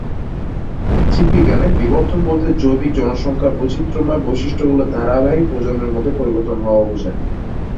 জীববিজ্ঞানে, বিবর্তন বলতে জৈবিক জনসংখ্যার বৈচিত্র্যময় বৈশিষ্ট্যগুলি ধারাবাহিক প্রজন্মের মধ্যে পরিবর্তন হওয়া বুঝায়।